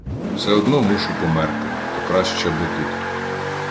Все одно мушу померти — то краще б отут.